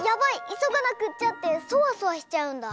いそがなくっちゃ！」ってそわそわしちゃうんだ。